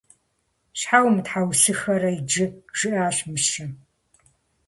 Щхьэ умытхьэусыхэрэ иджы? – жиӏащ мыщэм.